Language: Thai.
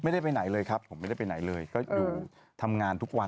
ไม่ได้ไปไหนเลยครับผมไม่ได้ไปไหนเลยก็อยู่ทำงานทุกวัน